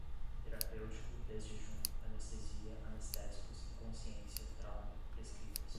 terapêutico, desjejum, anestesia, anestésicos, inconsciência, trauma, prescritas